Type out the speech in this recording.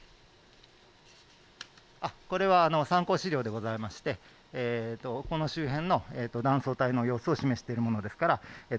これは参考資料でございまして、周辺の断層帯の様子を示しているものです。